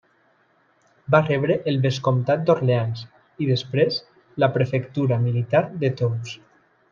Va rebre el vescomtat d'Orleans i després la prefectura militar de Tours.